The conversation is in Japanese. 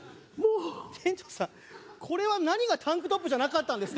店長さんこれは何がタンクトップじゃなかったんですか？